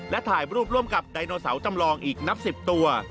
และถ่ายรูปร่วมกับไดโนเสาร์จำลองอีกนับ๑๐ตัว